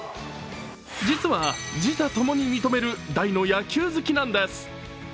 実は自他共に認める大の野球好きなんです。